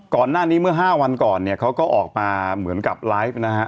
ก่อนหน้านี้เมื่อ๕วันก่อนเนี่ยเขาก็ออกมาเหมือนกับไลฟ์นะฮะ